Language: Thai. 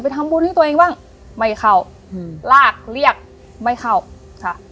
ทำบุญให้ตัวเองบ้างไม่เข้าอืมลากเรียกไม่เข้าค่ะ